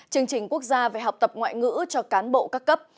chương trình quốc gia về học tập ngoại ngữ cho cán bộ các cấp